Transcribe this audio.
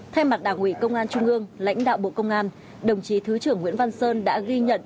thay mặt đảng ủy công an trung ương lãnh đạo bộ công an đồng chí thứ trưởng nguyễn văn sơn đã ghi nhận